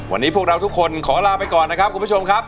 วันนี้พวกเราทุกคนขอลาไปก่อนนะครับคุณผู้ชมครับ